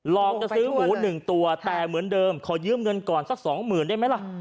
จะซื้อหมู๑ตัวแต่เหมือนเดิมขอยืมเงินก่อนสักสองหมื่นได้ไหมล่ะ